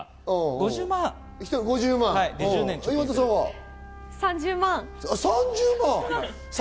５０万。